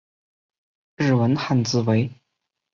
日文汉字为。